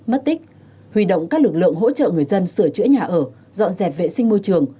mất tích huy động các lực lượng hỗ trợ người dân sửa chữa nhà ở dọn dẹp vệ sinh môi trường